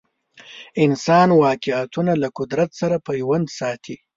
انسان واقعیتونه له قدرت سره پیوند ساتي